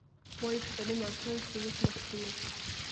وایي: په تعلیم او ساینس کې موږ مخکې یو.